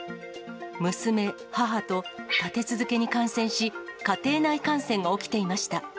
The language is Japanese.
娘、母と、立て続けに感染し、家庭内感染が起きていました。